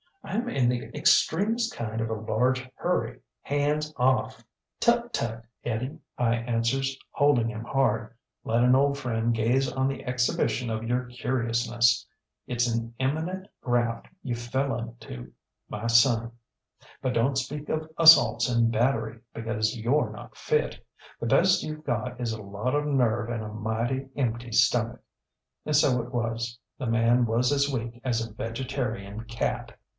IŌĆÖm in the extremest kind of a large hurry. Hands off! ŌĆÖ ŌĆ£ŌĆśTut, tut, Eddie, ŌĆÖ I answers, holding him hard; ŌĆślet an old friend gaze on the exhibition of your curiousness. ItŌĆÖs an eminent graft you fell onto, my son. But donŌĆÖt speak of assaults and battery, because youŌĆÖre not fit. The best youŌĆÖve got is a lot of nerve and a mighty empty stomach. ŌĆÖ And so it was. The man was as weak as a vegetarian cat.